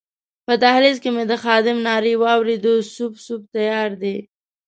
په دهلېز کې مې د خادم نارې واورېدې سوپ، سوپ تیار دی.